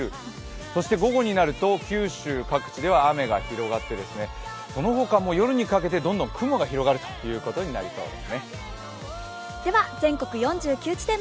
そして午後なると九州各地で雨が広がって、そのほかも夜にかけてどんどん雲が広がることになりそうです。